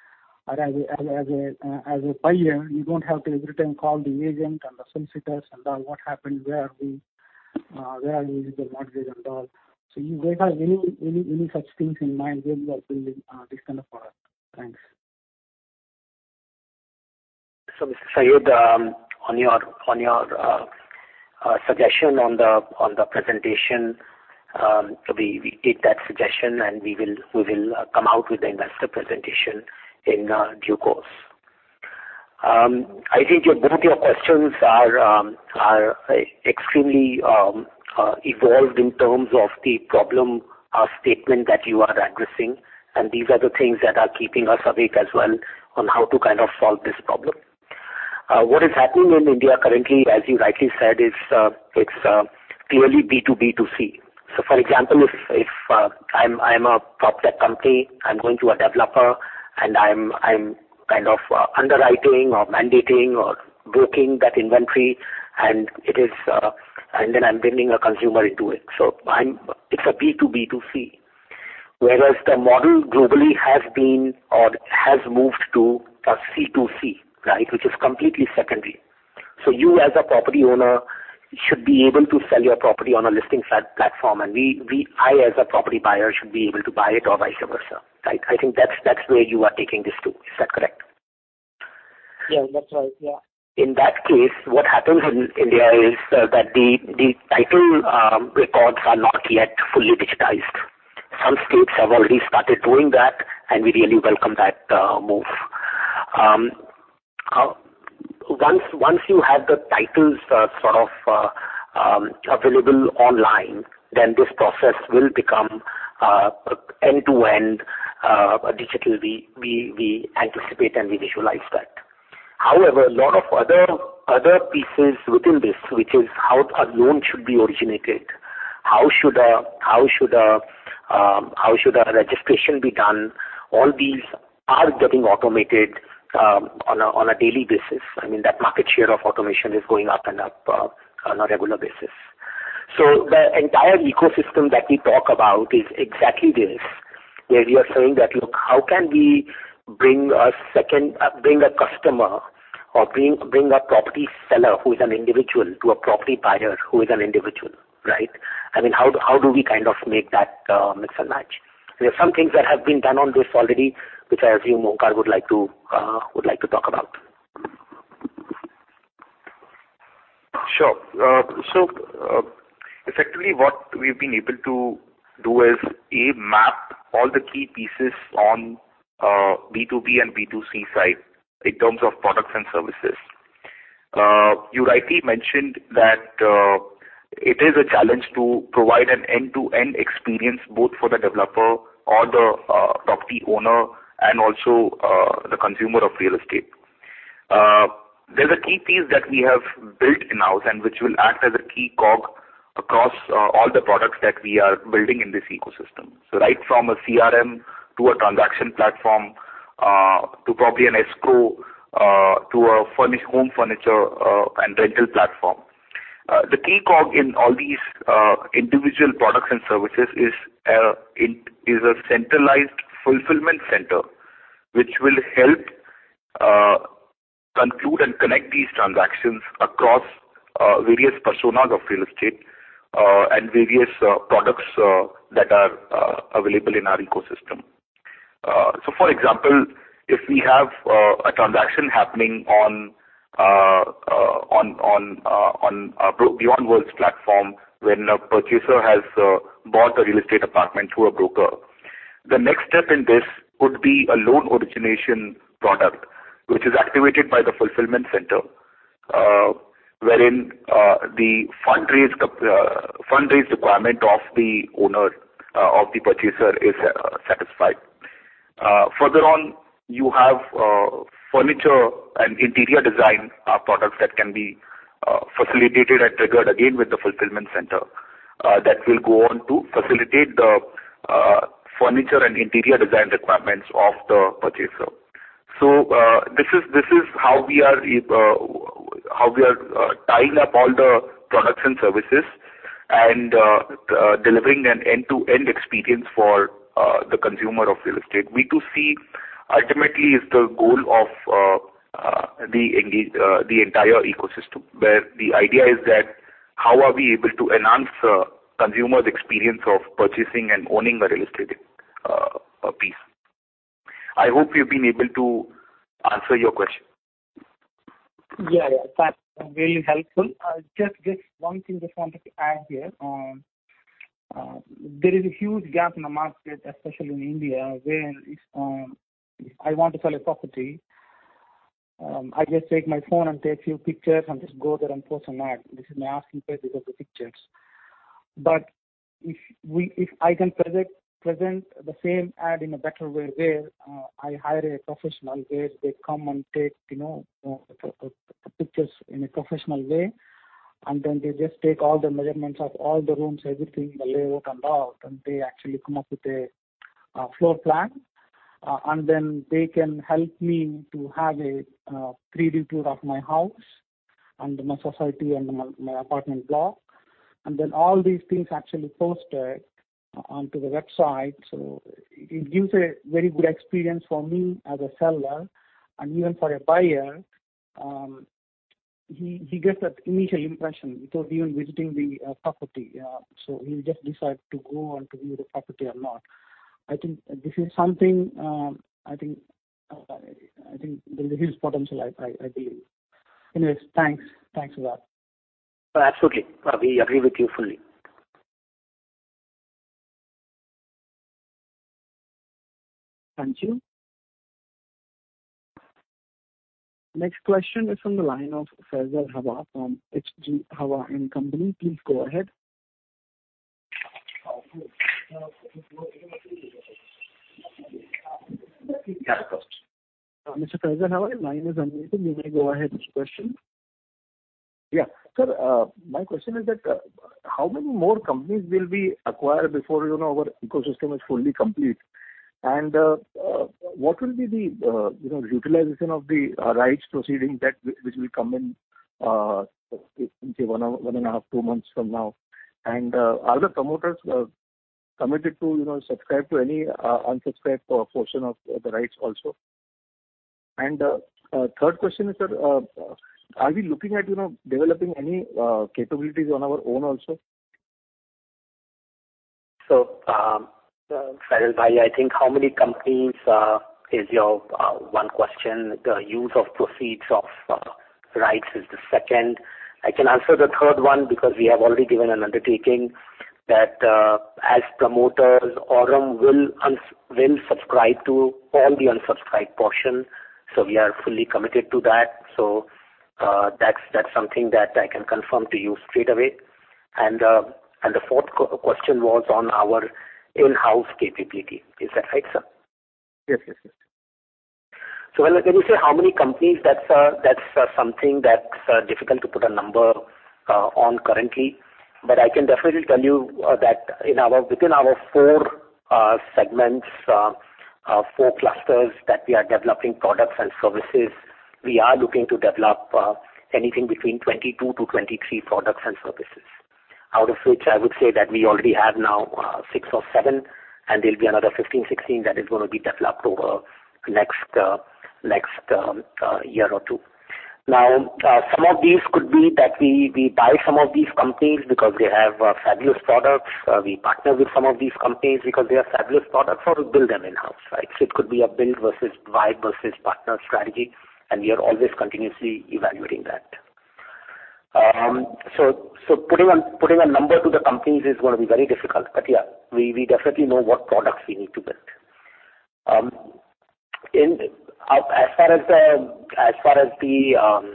or as a buyer. You don't have to every time call the agent and the solicitors and all what happened, where are we, where are we with the mortgage and all. You guys have any such things in mind where you are building this kind of product? Thanks. Mr. Sayyed, on your suggestion on the presentation, we take that suggestion, and we will come out with the investor presentation in due course. I think both your questions are extremely evolved in terms of the problem statement that you are addressing, and these are the things that are keeping us awake as well on how to kind of solve this problem. What is happening in India currently, as you rightly said, is clearly B2B2C. For example, if I'm a PropTech company, I'm going to a developer, and I'm kind of underwriting or mandating or broking that inventory, and then I'm bringing a consumer into it. It's a B2B2C. Whereas the model globally has been or has moved to a C2C, right? Which is completely secondary. You, as a property owner, should be able to sell your property on a listing platform, and I as a property buyer should be able to buy it or vice versa. Right? I think that's where you are taking this to. Is that correct? Yeah, that's right. Yeah. In that case, what happens in India is that the title records are not yet fully digitized. Some states have already started doing that, and we really welcome that move. Once you have the titles sort of available online, then this process will become end-to-end digitally. We anticipate and we visualize that. However, a lot of other pieces within this, which is how a loan should be originated, how should a registration be done, all these are getting automated on a daily basis. I mean, that market share of automation is going up and up on a regular basis. The entire ecosystem that we talk about is exactly this, where you are saying that, look, how can we bring a customer or bring a property seller who is an individual to a property buyer who is an individual, right? I mean, how do we kind of make that mix and match? There are some things that have been done on this already, which I assume Onkar would like to talk about. Sure, effectively, what we've been able to do is, A, map all the key pieces on B2B and B2C side in terms of products and services. You rightly mentioned that it is a challenge to provide an end-to-end experience both for the developer or the property owner and also the consumer of real estate. There's a key piece that we have built in-house and which will act as a key cog across all the products that we are building in this ecosystem, right from a CRM to a transaction platform, to probably an escrow, to a furnished home furniture and rental platform. The key cog in all these individual products and services is a centralized fulfillment center which will help conclude and connect these transactions across various personas of real estate and various products that are available in our ecosystem. For example, if we have a transaction happening on Beyond Walls platform when a purchaser has bought a real estate apartment through a broker, the next step in this would be a loan origination product, which is activated by the fulfillment center, wherein the financing requirement of the purchaser is satisfied. Further on, you have furniture and interior design products that can be facilitated and triggered again with the fulfillment center that will go on to facilitate the furniture and interior design requirements of the purchaser. This is how we are tying up all the products and services and delivering an end-to-end experience for the consumer of real estate. B2C ultimately is the goal of the entire ecosystem, where the idea is that, how are we able to enhance a consumer's experience of purchasing and owning a real estate piece? I hope we've been able to answer your question. Yeah, yeah. That's really helpful. Just one thing I wanted to add here. There is a huge gap in the market, especially in India, where if I want to sell a property, I just take my phone and take a few pictures and just go there and post an ad. This is my asking price. These are the pictures. But if I can present the same ad in a better way where I hire a professional, where they come and take, you know, pictures in a professional way, and then they just take all the measurements of all the rooms, everything, the layout and all, then they actually come up with a floor plan. They can help me to have a 3D tour of my house and my society and my apartment block. All these things actually posted onto the website. It gives a very good experience for me as a seller and even for a buyer. He gets that initial impression without even visiting the property. He'll just decide to go and to view the property or not. I think this is something. I think there's a huge potential, I believe. Anyways, thanks. Thanks a lot. Absolutely. We agree with you fully. Thank you. Next question is from the line of Faisal Hawa from H.G. Hawa & Co. Please go ahead. Mr. Faisal Hawa, your line is unmuted. You may go ahead with your question. Yeah. Sir, my question is that how many more companies will be acquired before, you know, our ecosystem is fully complete? What will be the, you know, utilization of the rights proceeds that will come in, say one and a half, two months from now? Are the promoters committed to, you know, subscribe to any unsubscribed portion of the rights also? Sir, a third question is, are we looking at, you know, developing any capabilities on our own also? Faisal bhai, I think how many companies is your one question. The use of proceeds of rights is the second. I can answer the third one because we have already given an undertaking that, as promoters, Aurum will subscribe to all the unsubscribed portion. We are fully committed to that. That's something that I can confirm to you straightaway. The fourth question was on our in-house capability. Is that right, sir? Yes, yes. When you say how many companies, that's something that's difficult to put a number on currently. I can definitely tell you that within our four segments, four clusters that we are developing products and services, we are looking to develop anything between 22-23 products and services. Out of which I would say that we already have now six or seven, and there'll be another 15, 16 that is gonna be developed over next year or two. Some of these could be that we buy some of these companies because they have fabulous products. We partner with some of these companies because they have fabulous products or we build them in-house, right? It could be a build versus buy versus partner strategy, and we are always continuously evaluating that. Putting a number to the companies is gonna be very difficult. Yeah, we definitely know what products we need to build. As far as the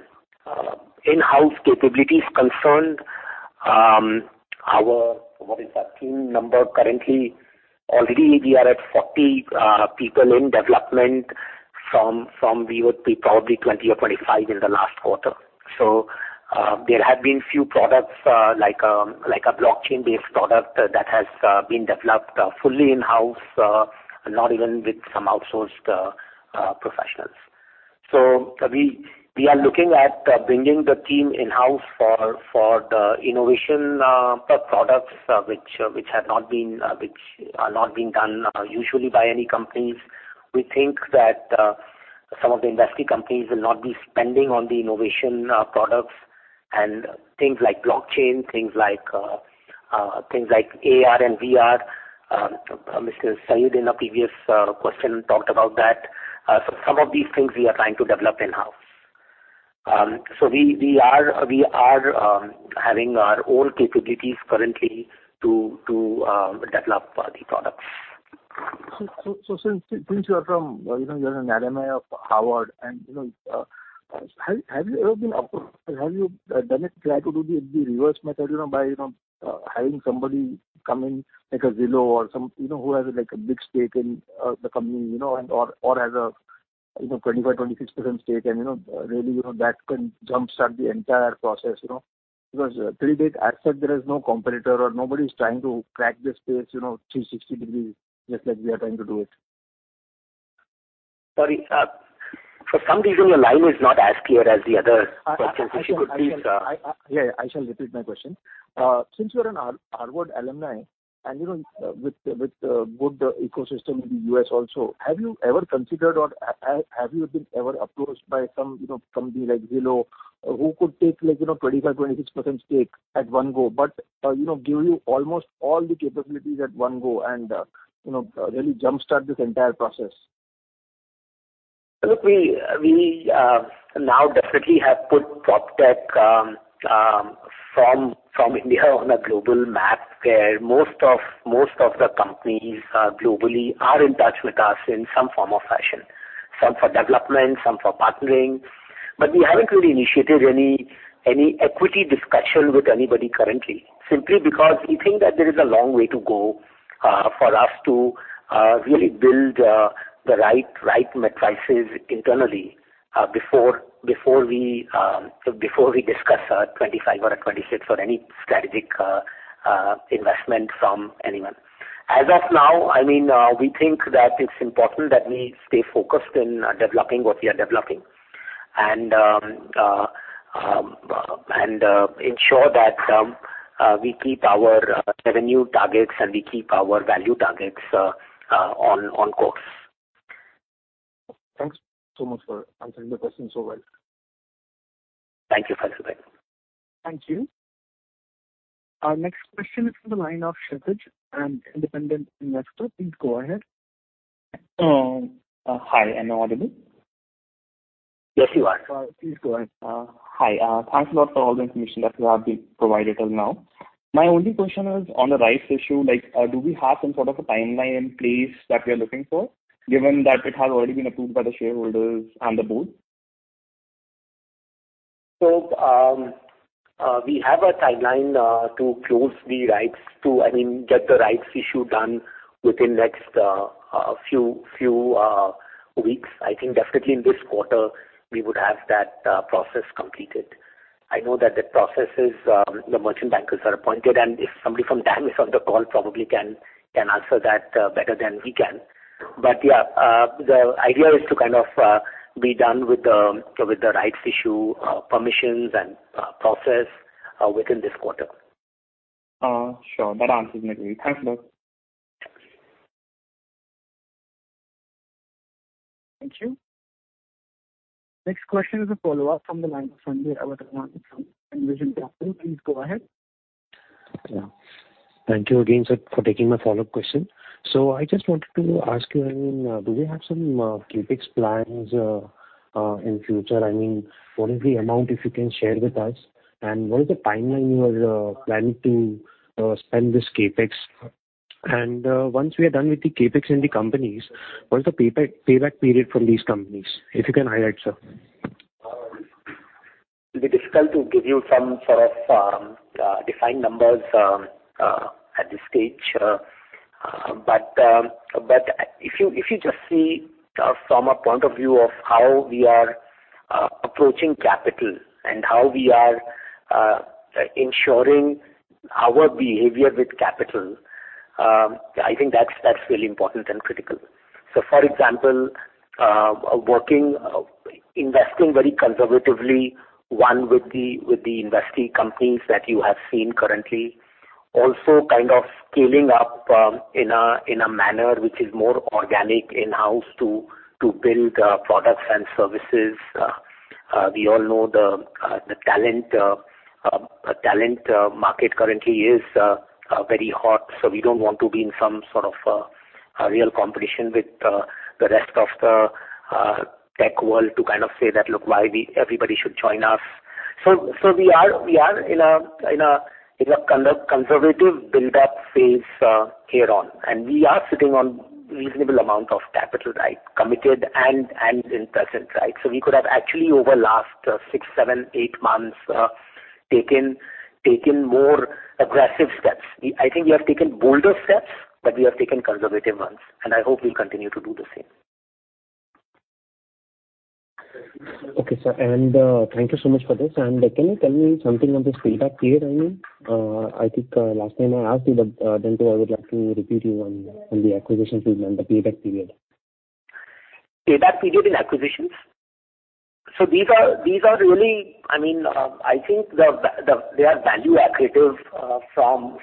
in-house capability is concerned, what is our team number currently? Already we are at 40 people in development from we would be probably 20 or 25 in the last quarter. There have been few products like a blockchain-based product that has been developed fully in-house, not even with some outsourced professionals. We are looking at bringing the team in-house for the innovation products which are not being done usually by any companies. We think that some of the investing companies will not be spending on the innovation products and things like blockchain, things like AR and VR. Mr. Sayyed in a previous question talked about that. Some of these things we are trying to develop in-house. We are having our own capabilities currently to develop the products. Since you are from, you know, you're an alumnus of Harvard and, you know, have you ever been approached or have you done a try to do the reverse method, you know, by, you know, having somebody come in like a Zillow or some, you know, who has like a big stake in the company, you know, and or has a, you know, 25%-26% stake and, you know, really, you know, that can jumpstart the entire process, you know? Because real estate as such there is no competitor or nobody's trying to crack the space, you know, 360 degrees, just like we are trying to do it. Sorry. For some reason your line is not as clear as the other persons. If you could please, I shall repeat my question. Since you're a Harvard alumni and, you know, with the good ecosystem in the U.S. also, have you ever considered or have you been ever approached by some, you know, company like Zillow who could take like, you know, 25%-26% stake at one go, but, you know, give you almost all the capabilities at one go and, you know, really jumpstart this entire process? Look, we now definitely have put PropTech from India on a global map where most of the companies globally are in touch with us in some form or fashion. Some for development, some for partnering. We haven't really initiated any equity discussion with anybody currently, simply because we think that there is a long way to go for us to really build the right metrics internally before we discuss a 2025 or a 2026 or any strategic investment from anyone. As of now, I mean, we think that it's important that we stay focused in developing what we are developing and ensure that we keep our revenue targets and we keep our value targets on course. Thanks so much for answering the question so well. Thank you. Thanks, bye. Thank you. Our next question is from the line of Kshitiz, an Independent Investor. Please go ahead. Hi. Am I audible? Yes, you are. Please go ahead. Hi. Thanks a lot for all the information that you have been provided us now. My only question is on the rights issue, like, do we have some sort of a timeline in place that we are looking for, given that it has already been approved by the shareholders and the board? We have a timeline. I mean, get the rights issue done within next few weeks. I think definitely in this quarter we would have that process completed. I know that the processes, the merchant bankers are appointed, and if somebody from DAM is on the call probably can answer that better than we can. Yeah, the idea is to kind of be done with the rights issue permissions and process within this quarter. Sure. That answers my query. Thanks a lot. Thank you. Next question is a follow-up from the line of Sanjay Awatramani from Envision Capital. Please go ahead. Yeah. Thank you again, sir, for taking my follow-up question. I just wanted to ask you, I mean, do we have some CapEx plans in future? I mean, what is the amount if you can share with us? And what is the timeline you are planning to spend this CapEx? And, once we are done with the CapEx in the companies, what is the payback period from these companies? If you can highlight, sir. It'll be difficult to give you some sort of defined numbers at this stage. If you just see from a point of view of how we are approaching capital and how we are ensuring our behavior with capital, I think that's really important and critical. For example, investing very conservatively with the investee companies that you have seen currently, also kind of scaling up in a manner which is more organic in-house to build products and services. We all know the talent market currently is very hot, so we don't want to be in some sort of real competition with the rest of the tech world to kind of say that, "Look why everybody should join us." We are in a conservative build-up phase hereon. We are sitting on reasonable amount of capital, right, committed and in presence, right? We could have actually over last six, seven, eight months taken more aggressive steps. I think we have taken bolder steps, but we have taken conservative ones, and I hope we'll continue to do the same. Okay, sir. Thank you so much for this. Can you tell me something on this payback period? I mean, I think last time I asked you, but then so I would like to repeat you on the acquisition feedback and the payback period. Payback period in acquisitions? These are really. I mean, I think they are value accretive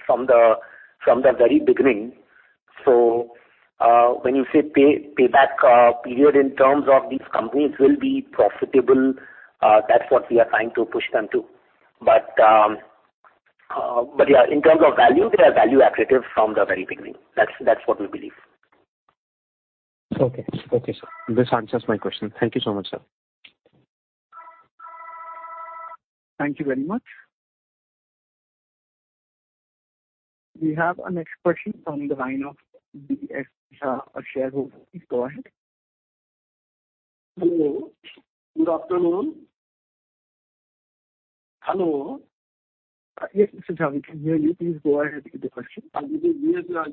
from the very beginning. When you say payback period in terms of these companies will be profitable, that's what we are trying to push them to. Yeah, in terms of value, they are value accretive from the very beginning. That's what we believe. Okay. Okay, sir. This answers my question. Thank you so much, sir. Thank you very much. We have our next question from the line of Asha Gupta, our shareholder. Please go ahead. Hello. Good afternoon. Hello. Yes, Mr. Asha. We can hear you. Please go ahead with your question.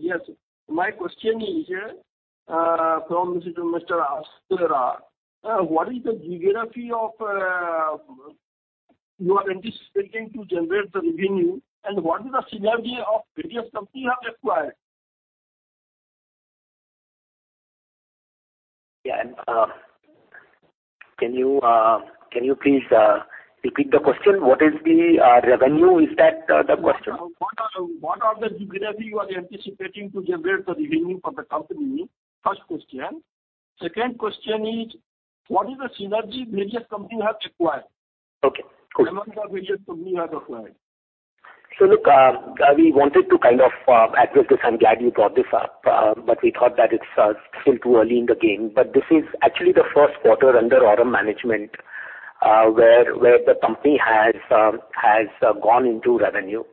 Yes. My question is for Mr. Ashish. What is the geography from which you are anticipating to generate the revenue, and what is the synergy of various companies you have acquired? Yeah. Can you please repeat the question? What is the revenue? Is that the question? What are the geographies you are anticipating to generate the revenue for the company? First question. Second question is, what are the synergies various companies you have acquired? Okay. Cool. Among the various companies you have acquired. Look, we wanted to kind of address this. I'm glad you brought this up. We thought that it's still too early in the game. This is actually the first quarter under Aurum Management, where the company has gone into revenue.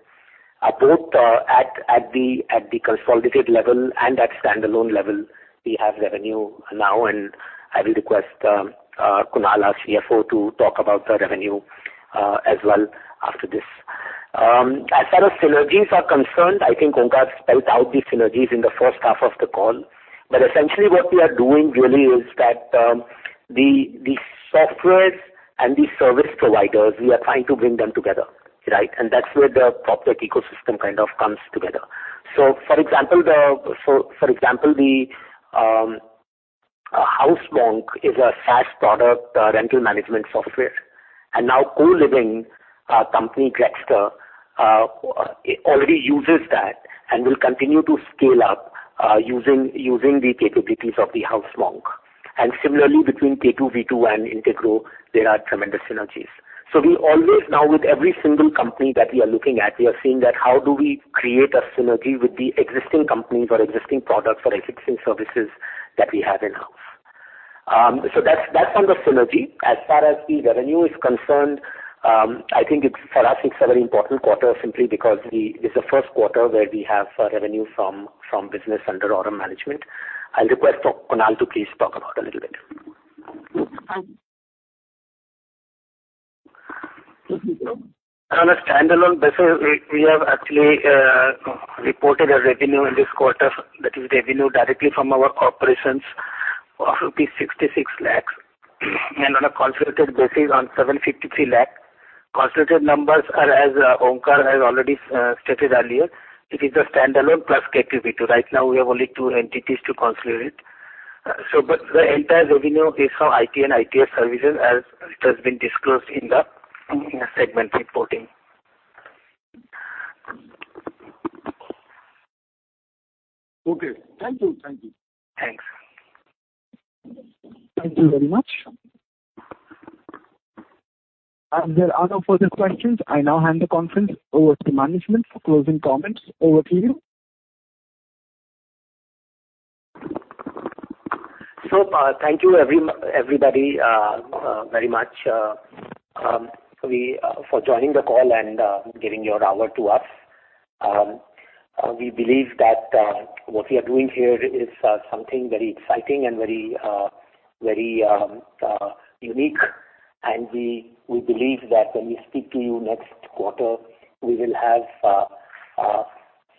Both at the consolidated level and at standalone level we have revenue now, and I will request Kunal, our CFO, to talk about the revenue as well after this. As far as synergies are concerned, I think Onkar spelled out the synergies in the first half of the call. Essentially what we are doing really is that, the softwares and the service providers, we are trying to bring them together, right? That's where the PropTech ecosystem kind of comes together. For example, the... For example, the HouseMonk is a SaaS product, rental management software. Now co-living company Grexter already uses that and will continue to scale up using the capabilities of the HouseMonk. Similarly between K2V2 and Integrow, there are tremendous synergies. We always now with every single company that we are looking at, we are seeing that how do we create a synergy with the existing companies or existing products or existing services that we have in-house. That's on the synergy. As far as the revenue is concerned, I think it's. For us, it's a very important quarter simply because it's the first quarter where we have revenue from business under Aurum Management. I'll request for Kunal to please talk about a little bit. On a standalone basis, we have actually reported a revenue in this quarter that is revenue directly from our corporations of rupees 66 lakhs. On a consolidated basis of 753 lakhs. Consolidated numbers are, as Onkar has already stated earlier. It is a standalone plus K2V2. Right now we have only two entities to consolidate. But the entire revenue is from IT and IT services as it has been disclosed in the segment reporting. Okay. Thank you. Thank you. Thanks. Thank you very much. As there are no further questions, I now hand the conference over to management for closing comments. Over to you. Thank you everybody very much for joining the call and giving your hour to us. We believe that what we are doing here is something very exciting and very very unique. We believe that when we speak to you next quarter, we will have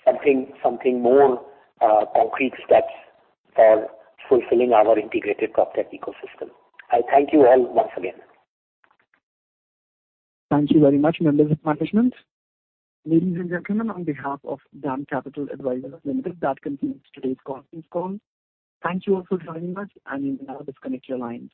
something more concrete steps for fulfilling our integrated PropTech ecosystem. I thank you all once again. Thank you very much, members of management. Ladies and gentlemen, on behalf of DAM Capital Advisors Limited, that concludes today's conference call. Thank you all for joining us, and you may now disconnect your lines.